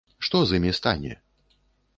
Што з імі стане?